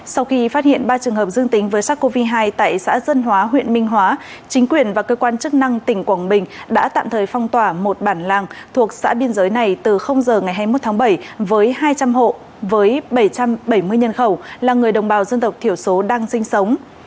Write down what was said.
sau khi phát hiện ba trường hợp dương tính với sars cov hai tại xã dân hóa huyện minh hóa chính quyền và cơ quan chức năng tỉnh quảng bình đã tạm thời phong tỏa một bản làng thuộc xã biên giới này từ giờ ngày hai mươi một tháng bảy với hai trăm linh hộ với bảy trăm bảy mươi nhân khẩu là người đồng bào dân tộc thiểu số đang sinh sống